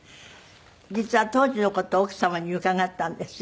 実は当時の事を奥様に伺ったんですよ。